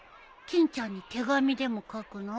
欽ちゃんに手紙でも書くの？